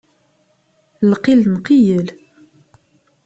Lqil nqeyyel.